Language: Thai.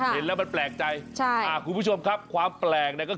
เห็นแล้วมันแปลกใจใช่อ่าคุณผู้ชมครับความแปลกเนี่ยก็คือ